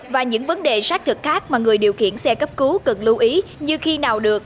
và những vấn đề sát thực khác mà người điều khiển xe cấp cứu cần lưu ý như khi nào được